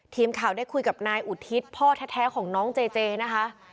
ทีมข่าวได้คุยกับนายอุทิศพ่อแท้ของน้องเจเจนะคะ